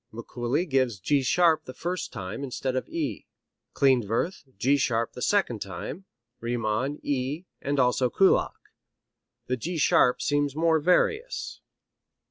Mikuli gives G sharp the first time instead of E; Klindworth, G sharp the second time; Riemann, E, and also Kullak. The G sharp seems more various.